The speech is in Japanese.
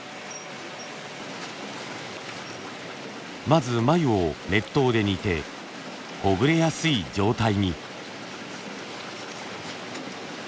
まず繭を熱湯で煮てほぐれやすい状態に。